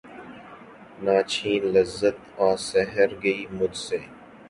نہ چھین لذت آہ سحرگہی مجھ سے